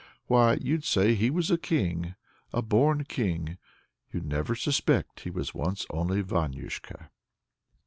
why, you'd say he was a king, a born king! you'd never suspect he once was only Vanyusha.